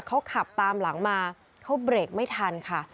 เขาขับตามหลังมาเขาเบรกไม่ทันค่ะ